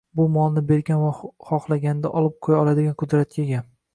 bu molni bergan va xoxlaganida olib qo'ya oladigan qudratga ega